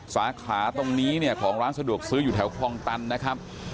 สาขาตรงนี้เนี่ยของร้านสะดวกซื้ออยู่แถวคลองตันนะครับ